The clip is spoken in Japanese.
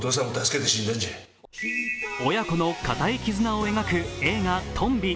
親子の固い絆を描く映画「とんび」。